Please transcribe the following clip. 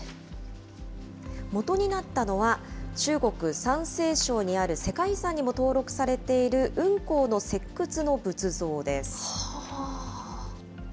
もとになったのは、中国・山西省にある世界遺産にも登録されている雲崗の石窟の仏像です。